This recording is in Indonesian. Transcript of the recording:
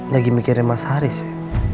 lagi mikirin mas haris ya